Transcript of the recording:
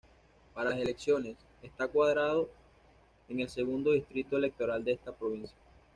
Para las elecciones está encuadrado en el Segundo Distrito Electoral de esta provincia.